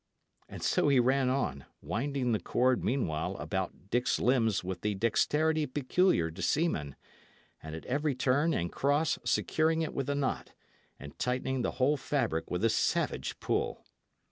And so he ran on, winding the cord meanwhile about Dick's limbs with the dexterity peculiar to seamen, and at every turn and cross securing it with a knot, and tightening the whole fabric with a savage pull.